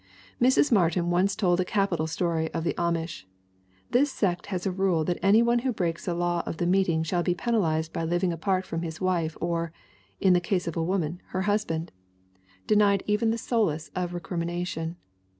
Mrs. Martin once told a capital story of the Amish. This sect has a rule that any one who breaks a law of the meeting shall be penalized by living apart from his wife or, in the case of a woman, her husband; 224 THE WOMEN WHO MAKE OUR NOVELS denied even the solace of recrimination.